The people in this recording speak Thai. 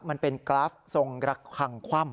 มันเป็นกราฟทรงระคังคว่ำ